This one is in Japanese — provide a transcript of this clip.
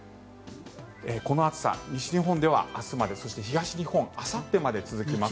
この暑さ、西日本では明日までそして東日本あさってまで続きます。